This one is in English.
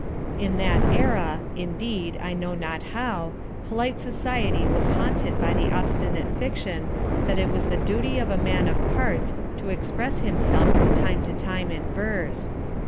In that era, indeed, I know not how, polite society was haunted by the obstinate fiction that it was the duty of a man of parts to express himself from time to time in verse.